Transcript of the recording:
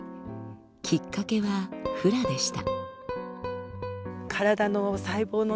きっかけはフラでした。